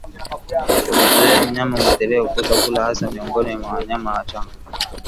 kumzuia mnyama mwathiriwa kukosa kula hasa miongoni mwa wanyama wachanga